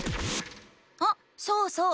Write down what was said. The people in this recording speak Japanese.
あそうそう！